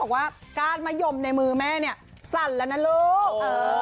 ก้านมะยมในมือแม่เนี่ยสั่นแล้วนะลูก